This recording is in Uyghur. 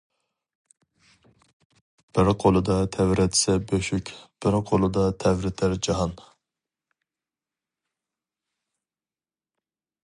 بىر قولىدا تەۋرەتسە بۆشۈك، بىر قولىدا تەۋرىتەر جاھان.